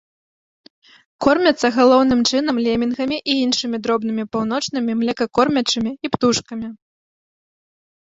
Кормяцца галоўным чынам лемінгамі і іншымі дробнымі паўночнымі млекакормячымі і птушкамі.